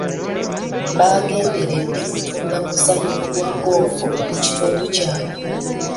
Baagenderedde kutunda muzannyo gwa goofu mu kitundu kyabwe.